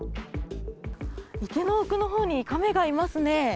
池の奥のほうに、カメがいますね。